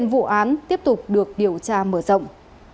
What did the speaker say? bộ án tiếp tục được điều tra mở rộng